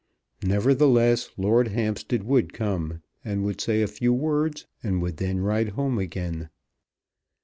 Nevertheless Lord Hampstead would come, and would say a few words, and would then ride home again.